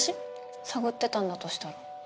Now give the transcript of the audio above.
探ってたんだとしたら。